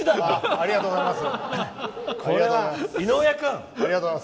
ありがとうございます。